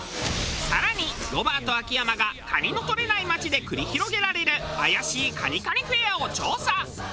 更にロバート秋山が蟹のとれない町で繰り広げられる怪しい蟹蟹フェアを調査。